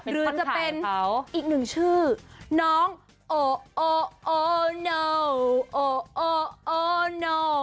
หรือจะเป็นอีกหนึ่งชื่อน้องโอโอโนโอโอโน